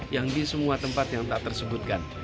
yang di semua tempat yang tak tersebutkan